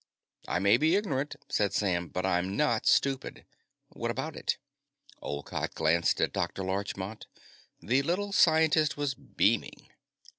"I may be ignorant," said Sam, "but I'm not stupid. What about it?" Olcott glanced at Dr. Larchmont. The little scientist was beaming.